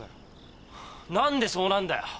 何でそうなんだよ！